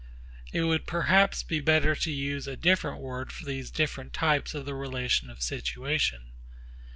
It would perhaps be better to use a different word for these different types of the relation of situation.